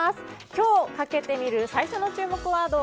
今日、かけてみる最初の注目ワード